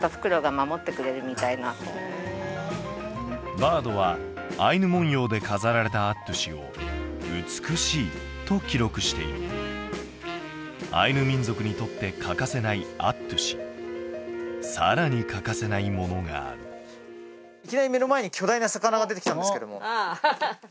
バードはアイヌ文様で飾られたアットゥシを「美しい」と記録しているアイヌ民族にとって欠かせないアットゥシさらに欠かせないものがあるいきなり目の前に巨大な魚が出てきたんですけどもハハハ